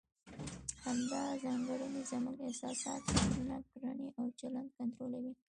همدا ځانګړنې زموږ احساسات، فکرونه، کړنې او چلند کنټرولوي.